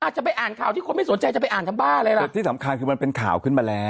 จะต้องรากอะไรล่ะ